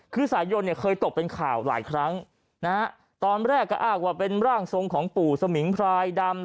คือสายยนเนี่ยเคยตกเป็นข่าวหลายครั้งนะฮะตอนแรกก็อ้างว่าเป็นร่างทรงของปู่สมิงพรายดำ